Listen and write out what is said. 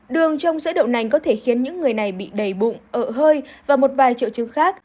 đường trong giới đậu nành có thể khiến những người này bị đầy bụng ở hơi và một vài triệu chứng khác